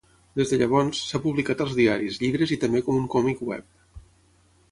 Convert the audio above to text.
Des de llavors, s"ha publicat als diaris, llibres i també com un còmic web.